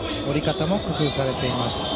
降り方も工夫されています。